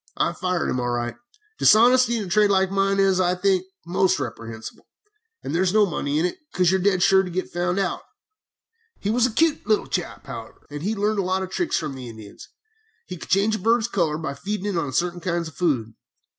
I fired him, all right. Dishonesty in a trade like mine is, I think, most reprehensible, and there is no money in it, because you are dead sure to get found out. "He was a cute little chap, however, and had learned a lot of tricks from the Indians. He could change a bird's color by feeding it on certain kinds of food.